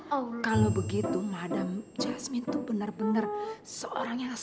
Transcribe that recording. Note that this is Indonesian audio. waduh kalau begitu madam jasmine itu benar benar seorang yang sekti